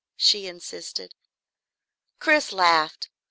she insisted. Chris laughed.